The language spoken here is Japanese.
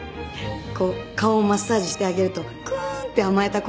こう顔をマッサージしてあげるとクゥーンって甘えた声を出して。